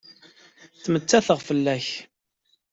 Ttmettateɣ fell-ak.